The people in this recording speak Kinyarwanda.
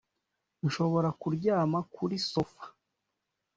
Nshobora kuryama kuri sofa